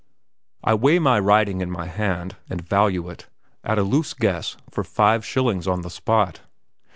I weigh my writing in my hand, and value it, at a loose guess, for five shillings on the spot.